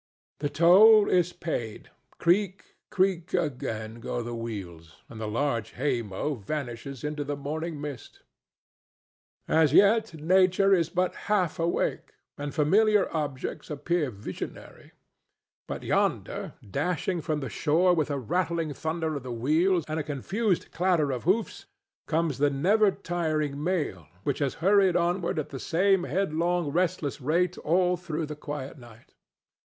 The toll is paid; creak, creak, again go the wheels, and the huge hay mow vanishes into the morning mist. As yet nature is but half awake, and familiar objects appear visionary. But yonder, dashing from the shore with a rattling thunder of the wheels and a confused clatter of hoofs, comes the never tiring mail, which has hurried onward at the same headlong, restless rate all through the quiet night.